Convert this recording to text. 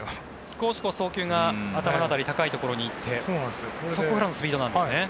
少し送球が頭より高いところに行ってそこのスピードなんですね。